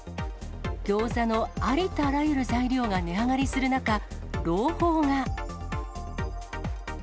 ギョーザのありとあらゆる材料が値上がりする中、朗報が。